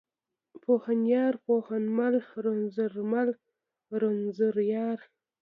پوهنيار، پوهنمل، رنځورمل، رنځوریار.